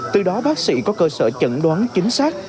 từ đó bác sĩ có cơ sở chẩn đoán chính xác